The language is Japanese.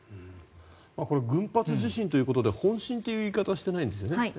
群発地震ということで本震という言い方をしていないですね。